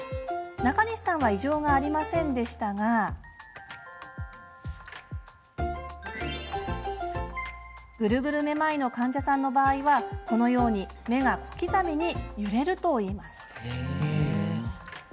中西さんは異常がありませんでしたがグルグルめまいの患者さんの場合はこのように目が小刻みに揺れるといいます。